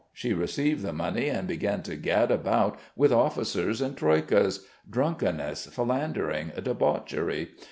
She received the money and began to gad about with officers in troikas.... Drunkenness, philandering, debauchery....